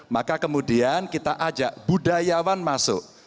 maka kemudian kita ajak budayawan masuk